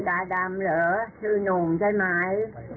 ดาดำเหรอชื่อหนุ่มใช่ไหม